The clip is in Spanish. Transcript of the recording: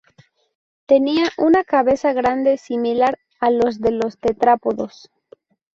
Tenía una cabeza grande similar a la de los tetrápodos.